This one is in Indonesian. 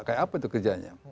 kayak apa itu kerja nya